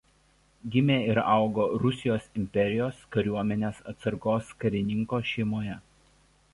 Gimė ir augo Rusijos imperijos kariuomenės atsargos karininko šeimoje.